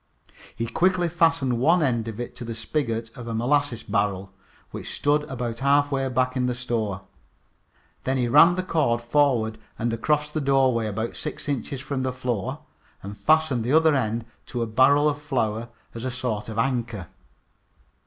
He quickly fastened one end of it to the spigot of a molasses barrel, which stood about half way back in the store. Then he ran the cord forward and across the doorway, about six inches from the floor, and fastened the other end to a barrel of flour as a sort of anchor.